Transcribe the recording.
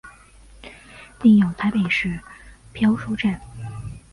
另有台北市漂书站。